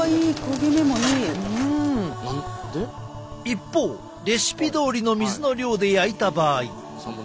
一方レシピどおりの水の量で焼いた場合。